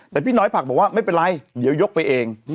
แต่พี่น้อยผักบอกว่าไม่เป็นไรเดี๋ยวยกไปเอง